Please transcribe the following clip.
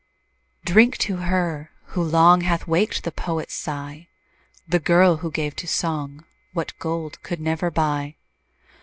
Drink to her, who long, Hath waked the poet's sigh. The girl, who gave to song What gold could never buy.